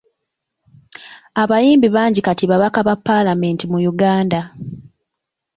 Abayimbi bangi kati babaka ba Paalamenti mu Uganda.